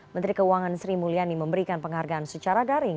menteri keuangan sri mulyani memberikan penghargaan secara daring